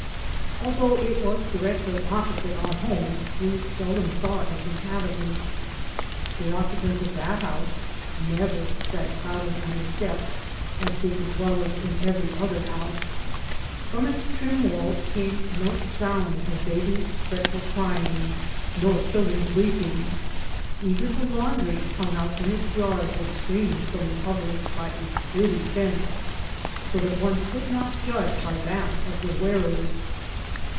Although it was directly opposite our home, we seldom saw its inhabitants. The occupants of that house never sat crowded on the steps as did the dwellers in every other house. From its trim walls came no sound of babies' fretful crying, nor children's weep ing. Even the laundry hung out in its yard was screened from the public by a sturdy fence so that one could not judge by that of the wearers.